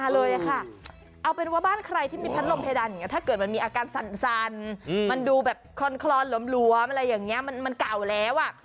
แล้วก็ไม่ตกรมศีรษะใครสักคนคือมันสวมตรงกลางพอดีเป๊ะเลยอ่ะ